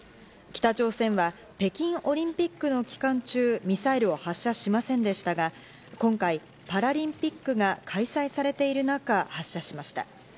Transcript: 北朝鮮は北京オリンピックの期間中、ミサイルを発射しませんでしたが、今回パラリンピックが開催されている中、発射しました。